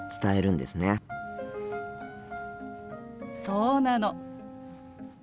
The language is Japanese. そうなの。